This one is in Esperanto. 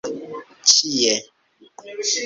ĉie